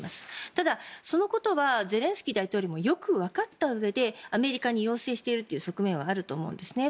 ただ、そのことはゼレンスキー大統領もよくわかったうえでアメリカに要請しているという側面はあると思うんですね。